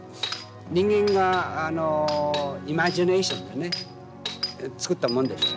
人間がイマジネーションでね作ったもんでしょ。